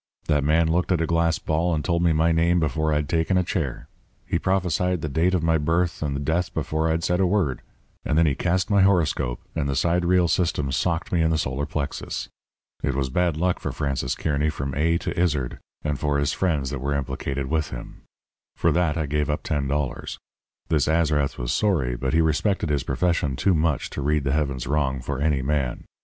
'That man looked at a glass ball and told me my name before I'd taken a chair. He prophesied the date of my birth and death before I'd said a word. And then he cast my horoscope, and the sidereal system socked me in the solar plexus. It was bad luck for Francis Kearny from A to Izard and for his friends that were implicated with him. For that I gave up ten dollars. This Azrath was sorry, but he respected his profession too much to read the heavens wrong for any man.